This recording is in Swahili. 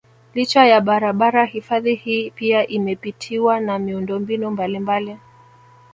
Licha ya barabara hifadhi hii pia imepitiwa na miundombinu mbalimbali